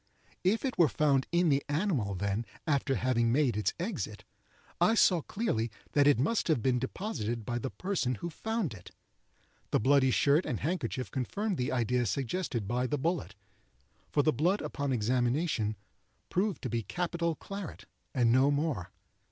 If it were found in the animal then, after having made its exit, I saw clearly that it must have been deposited by the person who found it. The bloody shirt and handkerchief confirmed the idea suggested by the bullet; for the blood on examination proved to be capital claret, and no more.